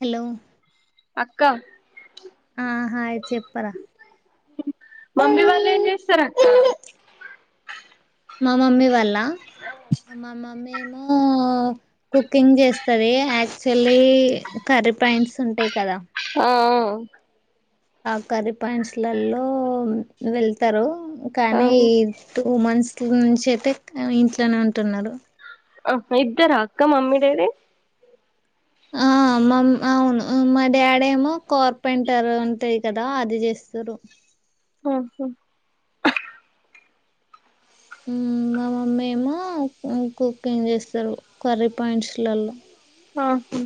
Hello అక్క ఆ hi చెప్పరా మమ్మీ వాళ్ళు ఏం చేస్సర అక్క మా మమ్మీ వాల్ళ ఆ మా మమ్మీ ఏమో కుకింగ్ చేస్తది యాక్చువల్లీ కర్రీ పాయింట్స్ ఉంటాయి కదా, ఆ ఆ కరి పాయింట్స్లలో వెళ్తారు కానీ ఇటు టూ మంత్స్ నుంచి అయితే ఇంట్లోనే ఉంటున్నారు ఆ ఇద్దరా అక్క మమ్మీడేది ఆ మా అవును మా డాడీ ఏమో కార్పెంటర్ ఉంటాది కదా అది చేస్తారు ఆఓహ మా మమ్మీ ఏమో కుకింగ్ చేస్తారు కర్రీ పాయింట్స్లలో ఆహా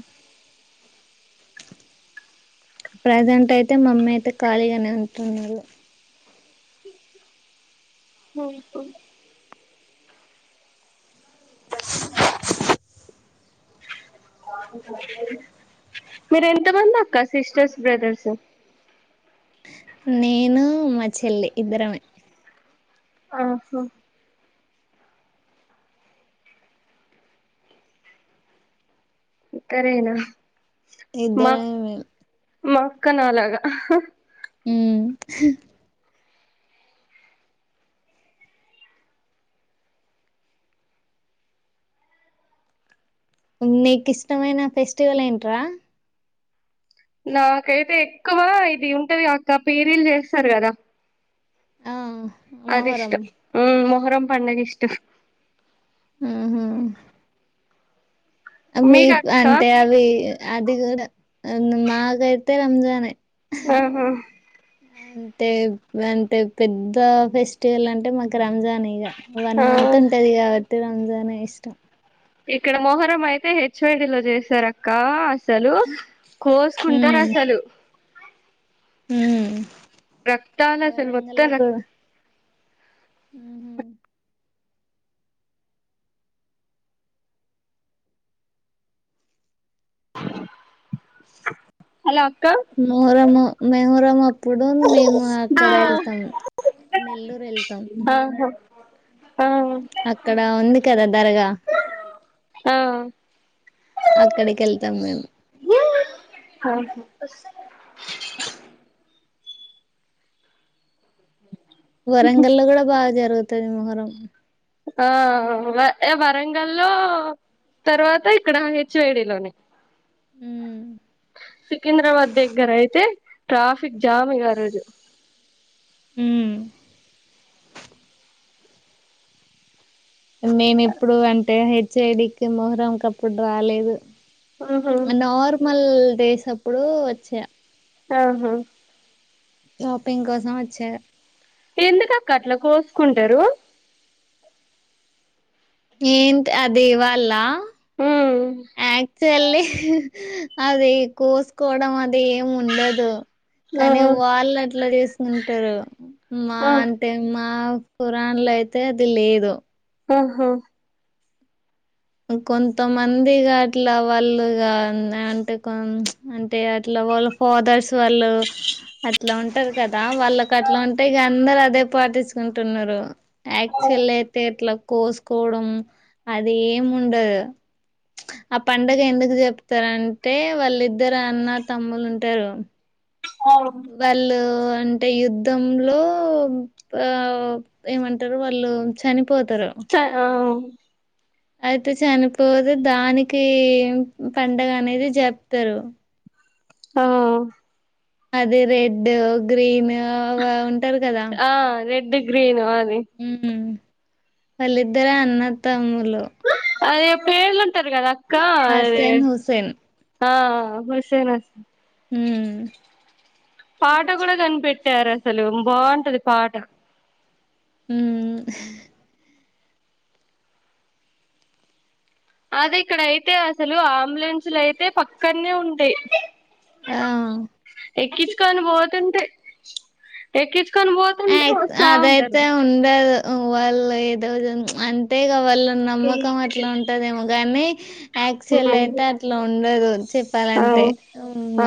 ప్రజెంట్ అయితే మా అమ్మీ అయితే ఖాళీగానే అంటున్నారు హ మీరు ఎంత మంది అక్క సిస్టర్స్ బ్రదర్స్ నేను మా చెల్లి ఇద్దరమే ఆహా ఇ తరేనా ఇద్దరే పక్కనలాగా హ నీకు ఇష్టమైన ఫెస్టివల్ ఏంట్రా నాకైతే ఎక్కువ ఇది ఉంటది అక్క పేరీలు చేస్తారు కదా ఆ అదిష్ట మొహరం అరం పండకి ఇష్టం ఆహా మీ మీకు అక్క అంటే అవి అది కూడా మాగాయితే రంజానే. అ హా అంటే అంటే పెద్ద ఫెస్టివల్ అంటే మాకు రంజాన్ ఇగా. వన్ ఆ మంత్ ఉంటది కాబట్ తే రంజానా ఇష్టం ఇక్కడ మొహరం అయితే హెచ్వేడిలో చేసార అక్క అసలు కోసుకుంటరు అసలు హ్మ్ రక్తాల సలుపోత్తె రక్త ఉహు హాల అక్క మొహరము మెహరంగా ప్పుడు మేము అక్కడ వెళ్తాం నెల్లూరు వెళ్తాం. ఓ అక్కడ ఉంది కదా దరగా ఆ అక్కడికి వెళ్తాం మేము. వరంగల్లో కూడా బాగా జరు రుగుతది మొహరం ఆ వ వరంగల్ లో తర్వాత ఇక్కడ హెచ్వైడి లోనే ఉ సికింద్రాబాద్ దగ్గర అయితే ట్రాఫిక్ జామి గా ఆ రోజు హ్మ్ నేను ఎప్పుడు అంటే చెడికి మొహరం కప్పుడు రాలేదు. ఆహా నార్మల్ డేసప్పుడు వచ్చా అహా షాపింగ్ కోసం వచ్చా ఎందుక అక్క అట్లా కోసుకుంటరు. ఏంట్ అది వాళ్ళ ఉమ్ యాక్చువలీ అదే కోసుకోవడం అది ఏం ఉండదు. ఆ కానీ వాళ్ళు అట్లా చేసుకుంటరు మా ఆ అంటే మా కురాన్ లో అయితే అది లేదు. అ హా కొంతమందిగా అట్లా వాళ్ళుగా ఉ అంటే కొ అంటే అట్లా వాళ్ళ ఫాదర్స్ వాళ్ళు అట్లా ఉంటారు కదా వాళ్ళకు అట్లా ఉంటే ఇక అందరు అదే పాటించుకుంటున్నారు యాక్చువల్ అయితే అట్లా కోసుకోవడం అదే ఏం ఉండదు ఆ పండగ ఎందుకు చెప్తారంటే వాళ్ళిద్దరు అన్న తమ్ములు ఉంటారు. వాళ్ళు అంటే యుద్ధంలో పవ్ ఏమంటారు వాళ్ళు చనిపో స అయితే చనిపోతే దానికి పండగ అనేది జరప్తారు. ఆ అది రెడ్ గ్రీన్ ఆహ్ ఓ ఉంటారు కదా అంతా గ్రీన్ వాల్ హుహ్ వాళ్ళిద్దర అన్న తమ్ములు అదే పేర్లుంటారు కదా కా అరే హసన్ హుసేన్ ఆ హుసెన్ హుసెన్ హూమ్ పాట కూడా కనిపెట్టారు అసలు బాగుంటది పాట హూ అది ఇక్కడ అయితే అసలు అంబులెన్సులు అయితే పక్కన్నే ఉంటాయి. ఆహ్ ఎక్కిచ్చుకోనీ పోతుంటే ఎక్కిచ్చుకోని బో అయైక్ అదైతే ఉండదు వాళ్ళేదో అంటేగ వాళ్ళు నమ్మకం అట్లా ఉంటదేమో గాని యాక్చువల్ అయితే అట్లా ఉండదు ఆ చెప్పాలంటే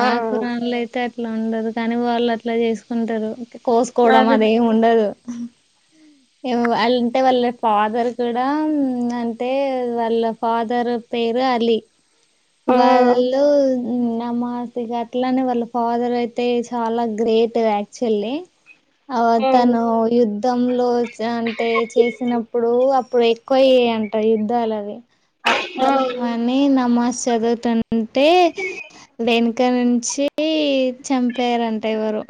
ఆ కురాణ్లయితే అట్లా అట్లా ఉండదు కానీ వాళ్ళు అట్లా చేసుకుంటారు. కోస్కోవడం అదే మాదేం ఉండదు వాళ్ళ అంటే వాళ్ళ ఫాదర్ కూడా అంటే వాళ్ళ ఫాదర్ పేరు అలీ ఆ వాళ్ళు నమాజ్ ఇగ అట్లానే వాళ్ళ ఫాదర్ అయితే చాలా గ్రేట్ యాక్చువల్లీ అహ్ ఆ అతను యుద్ తంలో చ అంటే చేసినప్పుడూ ఇప్పుడు ఎక్కువయ్యాయంట యుద్ధాలవి ఆ అని నమాస్ చదువుతున్ అంటే దేనిక నుంచి చంపారంట ఎవరో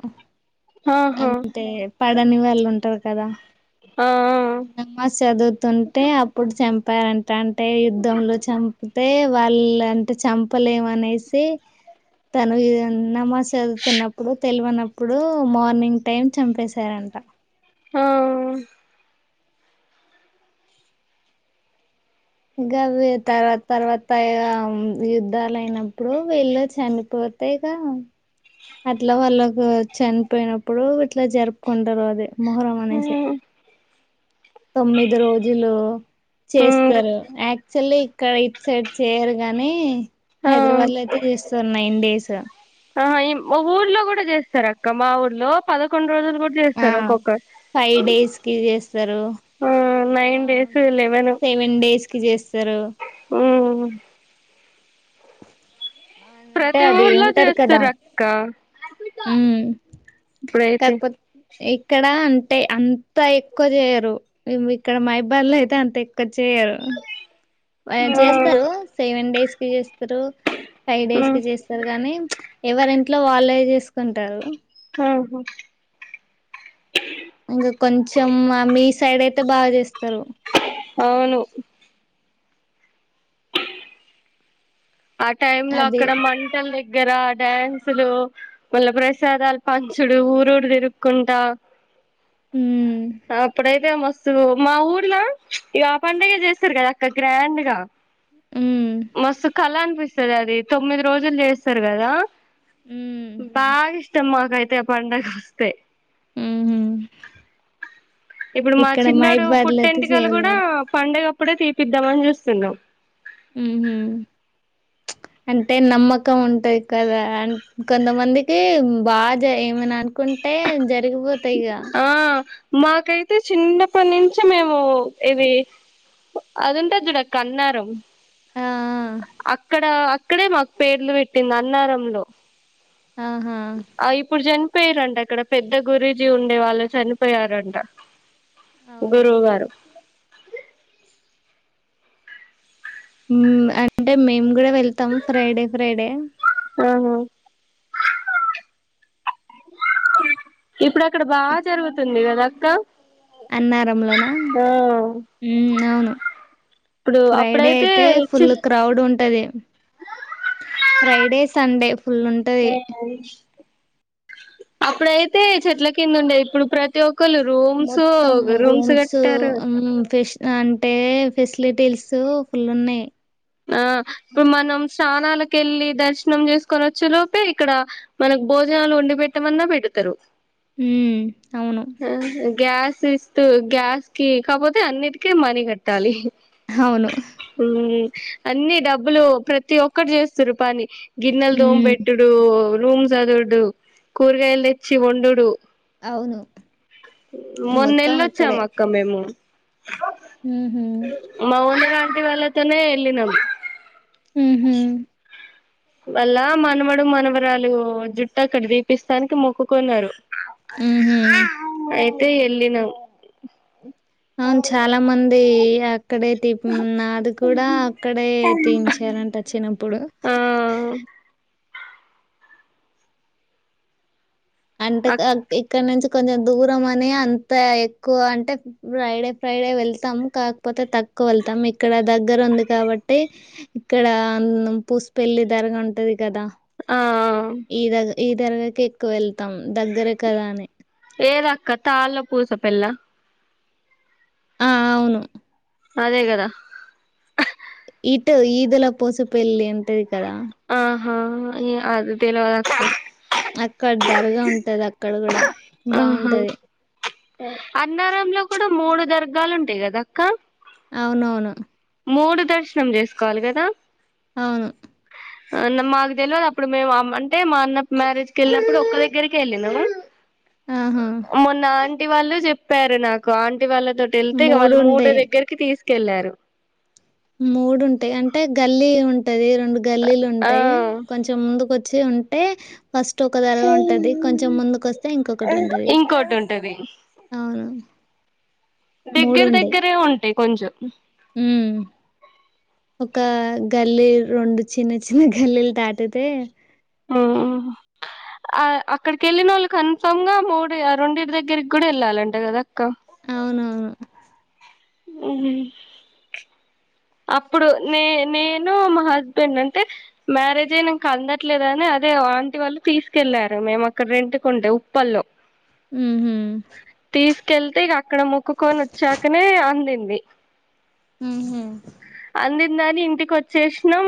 ఆహా అంటే పడని వాళ్ళు ఉంటరు కదా ఆ నమాస్ చదువుతుంటే అప్పుడు చం పారన్ అంటే యుద్ధంలో చం అంటే వాళ్ళ అంటే చంపలేమనేసి తను నమాస్ చదువుతున్నప్పుడు పిలివన అప్పుడు మార్నింగ్ టైమ్ చంపేశారంట ఆ గవే తర్వాత తర్వాత ఇగ యుద్ధాలు అయినప్పుడు వీళ్ళు చనిపోతే, ఇక అట్లా వాళ్ళకు చనిపోయినప్పుడు ఇట్లా జరుపుకుంటారు. అదీ మొహరం అనేసి తొమ్మిది రోజులు చేస్తరు. యాక్చువల్లీ ఇక్కడ ఇట్ సైడ్ చేయరు గాని ఆ హైదరాబాద్ లో అయితే చేస్తార్ నైన్ డేస్ ఇక ఆ ఈ మొగోళ్ళు కూడా చేస్తారు అక్క. మా ఊర్లో పదకొండు రోజులు. పూజ్ ఆ జేస్తారు ఒక్కొకరు ఫైవ్ డేస్ కి చేస్తారు ఆ ఆ nine days level seven days కి జేస్తరు ఊమ్ అంటే ప్రతి అది ఊర్లో ఇంటరు కదా చేస్తారు అక్క ఊమ్ ఇప్పుడైతే కాకపోతే ఇక్కడ అన్ అంటే అంత ఎక్కువ చేయరు. ఉం ఇక్కడ మైబాల్లో అయితే అంత ఎక్కువ చేయరు. ఆ చేస్తారు సెవెన్ డేస్ తీస్తరు ఫైవ్ డేస్ మ్మ్ కి చేస్తరు గానీ ప్చ్ ఎవరి ఇంట్లో వాళ్ళే చేసుకుంటరు ఆహా ఇంకా కొంచెం మీ సైడ్ అయితే బాగ చేస్తరు అవును ఆ టైమ్ లో అది అక్కడ మంటలు లే గ్గర డ్యాన్సులు మళ్ళా ప్రసాదాలు పంచుడు ఊరురు తిరుక్కుంటా ఉమ్ అప్పుడైతే మస్ సో మా ఊర్లా ఇగ ఆ పండగ చేస్తరు కదా అక్క గ్రాండ్ గా ఉమ్ మస్తు కాల అనిపిస్ సరే అది తొమ్మిది రోజులు చేస్తరు కదా ఉమ్ బాగిస్ ఇస్తే మాకైతే పండుగ వస్తే ఉహు ఇప్పుడు మా ఇక్కడ చిన్నోడు మైబాద్లో అయితే పుట్టెంటికలు కూడా చేయలేరు ప పండగప్పుడే తీపిద్దామని జూస్తున్నాం ఉహుమ్ ప్చ్ అంటే నమ్మకం ఉంటదయి కదా అ కొంతమందికి బాధ ఏమైనా కుంటే జరిగిపోతయి ఇగ ఆ మాకైతే చిన్నప్పటి నుంచి మేము ఇది అదుం టది చూడక్క అన్నారం ఆ! ఆ! అక్కడ అక్కడే మాకు పేర్లు పెట్టింది అన్నారంలో ఆహా! ఆ ఇప్పుడుజన్ చనిపోయారంట ఇక్కడ పెద్ద గురూజీ ఉండే వాళ్ళు చనిపోయారంట అవునా? గురువు గారు ఊమ్ అంటే మేము కూడా వెళ్తాం ఫ్రైడే ఫ్రైడే ఆహా ఇప్పుడ ఇక్కడ బాగా జరుగుతుంది కదా కా అన్నారంలోనా ఉమ్ అవును ఇప్పుడు ఫ్రైడే అప్పుడైతే అయితే ఫుల్ చి క్రౌడ్ ఉంటది ఫ్రైడే సండే ఫుల్ ఉంటధి అప్పుడైతే చెట్ల కింద ఉండే ఇప్పుడు ప్రతి ఒక్క ఒలు రూమ్స్ మొత్తం రూమ్స్ కట్టారు హ్మ్. ఫెస్ అంటే ఫెసిలిటీస్ ఫుల్ ఉన్నాయ్ ఆ ఇప్పుడు మనం స్నానాలకు వెళ్ళి దర్శనం చేసుకొని వచ్చు లోపే ఇక్కడ మనకు భోజనాలు వండి పెట్టమన్నా పెడతారు హుమ్ ఆ గ్యాస్ ఇస్తూ గ్యాస్ కి కాకపోతే అన్నిటికే మనీ కట్టాలి అవును అన్నీ డబ్బులు ప్రతి ఒక్కరు చేస్తరు పని గిన్నెల హ్మ్. దోమ్బెట్టుడు రూమ్స్ చదువుడు కూరగాయలు తెచ్చి వండుడు అవును మొన్న మొత్తం ఎల్లోచ్చాం అక్కడే అక్క మేము ఉహు మౌనగా ఇంటి వాళ్ళతోనే ఎల్లినమ్ ఊహూ వాళ్ళ మనమడు మనవరాలు జుట్టక్కడ దీపిస్తానికి మొక్కుకున్నారు ఉహు ఏ తే ఎల్లినం అవును చాలా మంది [unintelligible] క్కడే తీప్ ఉమ్మ్ నాది కూడా అక్కడే తీయించారంట చిన్నప్పుడు ఆవ్ అంటే అక్ కాగ్ ఇక్కడ నుంచి కొంచెం దూరం అని అంత ఎక్కువ అంటే ఫ్రైడే ఫ్రైడే వెళ్తాము కాకపోతే తక్కువ వెళ్తాము క్కడ దగ్గరుంది కాబట్టి ఇక్కడ పూసిపెల్లి ధరగ ఉంటది కదా అ ఆ ఈదగ ఈ దరగకి ఎక్కువ వెళ్తాం దగ్గరే కదా అని ఏదక్క తాళ్ళ పూస పెళ్ళ ఆ అవును అదే గద ఇటు ఈదుల పూసు పెళ్లి ఉంటది కదా ఆహా ఇ అది తెల్వదక్క అక్కడ దరగ ఉంటది అక్ క్కడగూడ ఆహా బావుంటది అన్నారంలో కూడా మూడు దర్గాలుంటయి గదక్క అవునవును మూడు దర్శనం చేసుకోవాలి కదా అవును ఆ న్ మాకు తెల్వదు అప్పుడు మేము ఆమ్ అంటే మా అన్న మ్యారేజ్కెల్లినప్పుడు ఒక్క దగ్గరికే ఎళ్ళినము ఆహా మొన్న ఆన్ టీ వాళ్ళు చెప్పారు నాకు ఆన్ టి వాళ్ళతోటెల్తే ఇగ వాళ్ళు మూడు దగ్గరికి తీస్ కెళ్ళారు మూడుంటాయ్ అంటే గల్లీ ఉంటది రెండు గల్లీలు ఆ ఉంటాయి కొంచెం ముందుకొచ్ చ్చి ఉంటే ఫస్ట్ ఒక దర్గ ఉంటది కొంచెం ముందుకు వస్తే ఇంకొకటుంటది ఇంకోటి ఉంటది అవును మూడు దగ్గర ఉండే దగ్గరే ఉంటాయి కొంచెం ఒకా గల్లీ రెండు చిన్న చిన్న గల్లీలు దాటితే ఉమ్ అ అక్కడికి ఎళ్ళినోళ్ళు కన్ఫామ్ గా మూడు ఆ రెండుటి దగ్గరికి కూడ ఎళ్ళాలంట కదక్ అవునవును ఉహుమ్ అప్పుడు నే నేను మా హస్బెండ్ అంటే మ్యారేజ్ అయినాక అందట్లేదని అదే ఆంటి వాళ్ళు తీసుకెళ్ళారు మేము అక్కడ రెంటు కుంటె ఉప్పల్లో ఉ హ్మ్ కెళ్తే ఇక అక్కడ మొక్కుకొని వచ్చాకనే అందింది ఉమ్ హు అందిందని ఇంటికి వచ్చేసినాం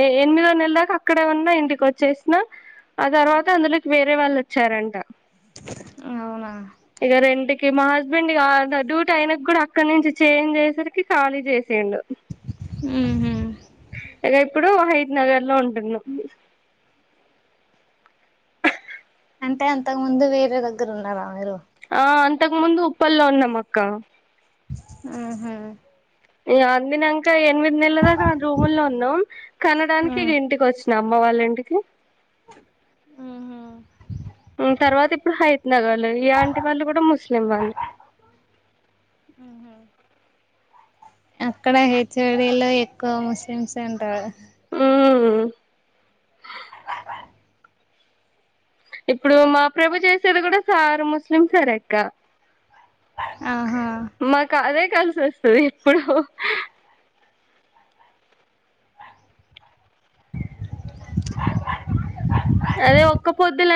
ఎ ఎనిమిదో నెల దాక అక్కడే ఉన్నా ఇంటికి వచ్చేసినా ఆ ఉమ్. తర్వాత అందులోకి వే రే వాళ్ళు వచ్చారంట అవునా ఇక రెంట్ ఇగా మా హస్బెండ్ కా డ డ్యూట్ అయిన కూడా అక్కడ నుంచి చేంజ్ చేసరికి ఖాళీ చేసిండు ఉహుమ్ ఇక ఇప్పుడు హయిత్ నగర్ లో ఉంటున్నాం అంటే అంతకు ముందు వేరే దగ్గర ఉన్నారా మీరు ఆ అంతకు ముందు ఉప్పల్లో ఉన్నాం అక్క ఆహా ఇగా అందినకా ఏ తొమ్మిది నెలలు రూము లో ఉన్నాం ఆ కనడానికి ఇక ఇంటికి వచ్చినాం అమ్మవళ్ళంటికి ఉహు ఉమ్ తర్వాత ఇప్పుడు హైత్నగర్ ఈ ఆంటీ వాళ్ళు కూడా ముస్లిం వాళ్ళు ఉహు అక్కడ హెచ్ ఓ డి ఎక్కువ ముస్లిమ్స్ అంటారు ఉమ్ ఇప్పుడు మా ప్రభు చేసేది కూడా సార్ ముస్లిమ్ సార్ అక్క ఆహా మాకు అదే కలిసి వస్తుంది ఎప్పుడు అదే ఒక్క పొద్దుల